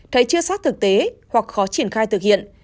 thấy chưa sát thực tế hoặc khó triển khai thực hiện